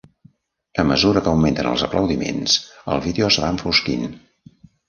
A mesura que augmenten els aplaudiments, el vídeo es va enfosquint.